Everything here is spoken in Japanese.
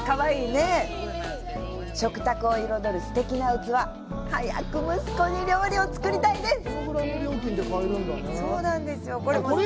食卓を彩るすてきな器早く息子に料理を作りたいです。